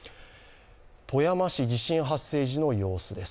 富山市、地震発生時の様子です。